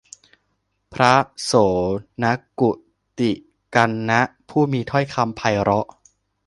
พระโสณกุฎิกัณณะ ผู้มีถ้อยคำไพเราะ